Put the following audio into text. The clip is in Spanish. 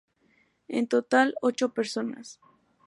En total ocho personas.